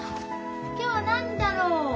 今日は何だろう！